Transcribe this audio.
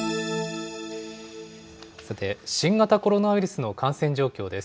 さて、新型コロナウイルスの感染状況です。